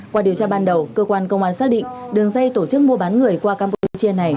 qua điều tra ban đầu cơ quan công an xác định đường dây tổ chức mua bán người qua campuchia này